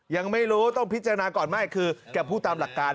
ยังไม่รู้ต้องพิจารณาก่อนไม่คือแกพูดตามหลักการ